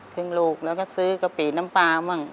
ครึ่งลูกแล้วก็ซื้อกะเปรียนน้ำปลาบ้าง